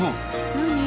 何？